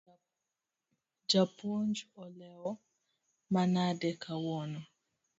Japuonj olewo manade kawuono?